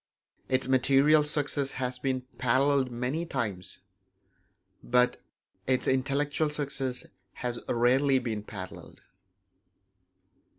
Its material success has been paralleled many times; but its intellectual success has rarely been paralleled.